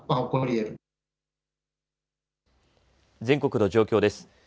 全国の状況です。